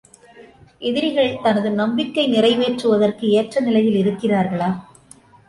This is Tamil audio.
எதிரிகள் தனது நம்பிக்கை நிறைவேற்றுவதற்கு ஏற்ற நிலையில் இருக்கின்றார்களா?